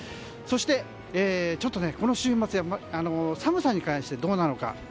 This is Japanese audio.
そして、この週末寒さに関してどうなのか。